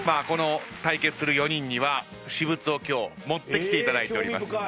この対決する４人には私物を今日持ってきていただいております。